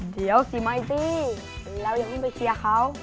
เดี๋ยวสิมายตี้แล้วยังเพิ่งไปเชียร์เขา